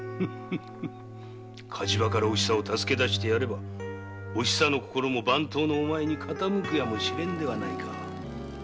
火事場からお久を助け出してやればお久の心も番頭のお前に傾くやもしれぬではないか。